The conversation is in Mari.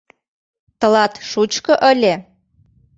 Тылат шучко ыле?